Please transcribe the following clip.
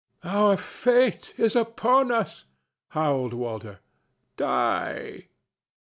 "Our fate is upon us!" howled Walter. "Die!"